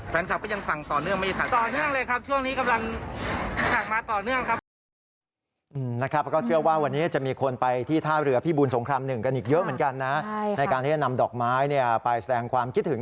แฟนคลับก็ยังสั่งต่อเนื่องไม่ได้สั่งต่อเนื่อง